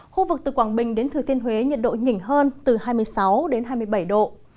khu vực từ quảng bình đến thừa thiên huế nhiệt độ nhỉnh hơn từ hai mươi sáu hai mươi bảy độ